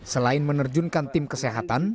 selain menerjunkan tim kesehatan